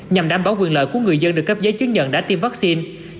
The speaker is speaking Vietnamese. nhằm đảm bảo quyền lợi của người dân được cấp giấy chứng nhận đã tiêm vaccine